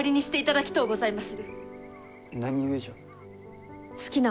何故じゃ？